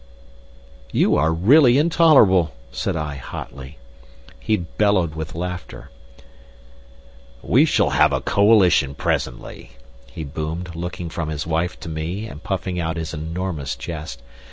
"You are really intolerable!" said I, hotly. He bellowed with laughter. "We shall have a coalition presently," he boomed, looking from his wife to me and puffing out his enormous chest.